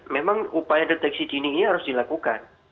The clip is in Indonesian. memang upaya deteksi dini ini harus dilakukan